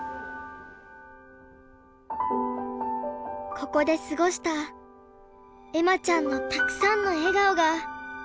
ここで過ごした恵麻ちゃんのたくさんの笑顔がありました。